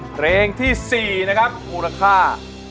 เพลงที่๔นะครับมูลค่า